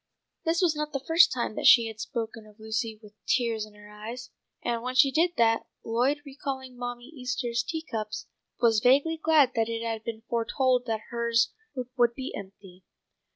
This was not the first time that she had spoken of Lucy with tears in her eyes, and when she did that, Lloyd, recalling Mammy Easter's tea cups, was vaguely glad that it had been foretold that hers would be empty.